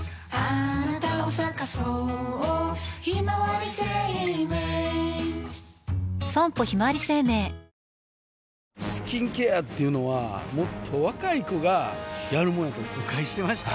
あなたを咲かそうひまわり生命スキンケアっていうのはもっと若い子がやるもんやと誤解してました